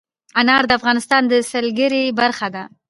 انار د افغانستان د سیلګرۍ برخه ده.